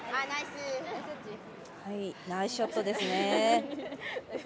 ナイスショットですね。